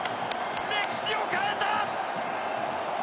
歴史を変えた！